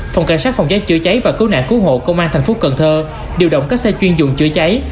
phòng cảnh sát phòng cháy chữa cháy và cứu nạn cứu hộ công an thành phố cần thơ điều động các xe chuyên dùng chữa cháy